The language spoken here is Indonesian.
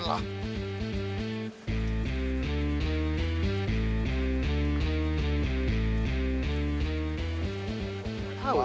enggak mah ya